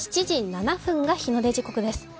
７時７分が日の出時刻です。